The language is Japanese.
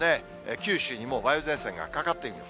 九州にも梅雨前線がかかっています。